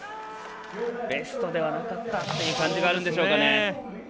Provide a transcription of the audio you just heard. ベストではなかったという感じがあるんでしょうか。